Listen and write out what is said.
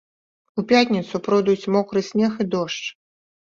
У пятніцу пройдуць мокры снег і дождж.